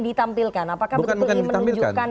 ditampilkan apakah menunjukkan